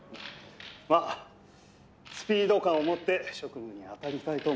「まあスピード感を持って職務に当たりたいと」